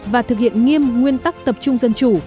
và thực hiện nghiêm nguyên tắc tập trung dân chủ